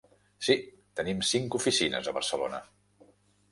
Sí, tenim cinc oficines a Barcelona.